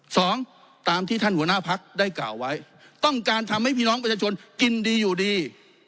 สองตามที่ท่านหัวหน้าพักได้กล่าวไว้ต้องการทำให้พี่น้องประชาชนกินดีอยู่ดี